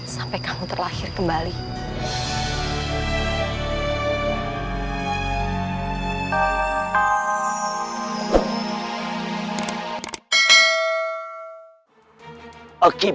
sampai kamu terlahir kembali